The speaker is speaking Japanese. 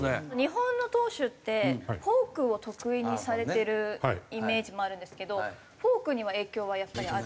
日本の投手ってフォークを得意にされてるイメージもあるんですけどフォークには影響はやっぱり。